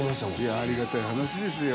ありがたい話ですよ